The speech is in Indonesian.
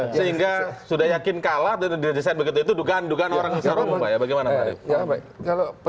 sehingga sudah yakin kalah dan disesuaikan begitu itu dugaan dugaan orang besar rumpah ya bagaimana pak